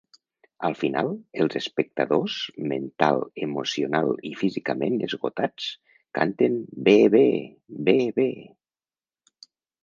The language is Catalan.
Al final, els espectadors mental, emocional i físicament esgotats canten B-B! ... B-B!